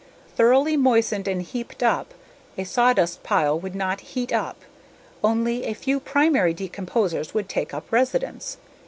Thoroughly moistened and heaped up, a sawdust pile would not heat up, only a few primary decomposers would take up residence.